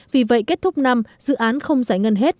vì vậy kết thúc năm dự án không giải ngân hết